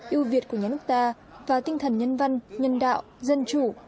ưu việt của nhà nước ta và tinh thần nhân viên